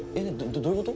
どどういうこと？